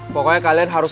pokoknya kalian harus